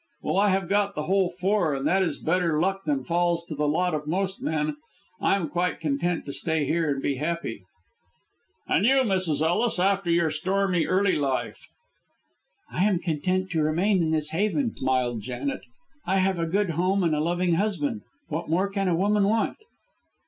Well, I have got the whole four, and that is better luck than falls to the lot of most men. I am quite content to stay here and be happy." "And you, Mrs. Ellis, after your stormy, early life?" "I am content to remain in this haven," smiled Janet. "I have a good home and a loving husband. What more can a woman want?"